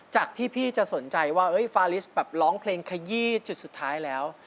จากที่พี่จะสนใจว่าฟาลิสแบบร้องเพลงขยี้จุดสุดท้ายแล้ว